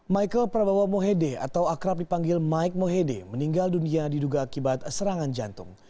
michael prabowo mohede atau akrab dipanggil mike mohede meninggal dunia diduga akibat serangan jantung